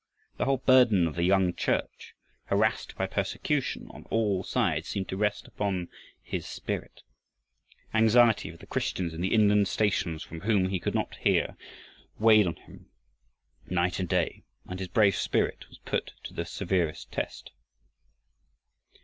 The whole burden of the young Church, harassed by persecution on all sides, seemed to rest upon his spirit. Anxiety for the Christians in the inland stations from whom he could not hear weighed on him night and day, and his brave spirit was put to the severest test.